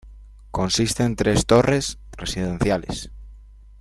Consiste en Tres torres, residenciales.